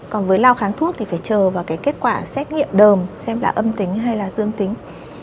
còn với lao kháng thuốc thì phải chờ vào cái kết quả xét nghiệm đờm xem là âm tính hay là dương tính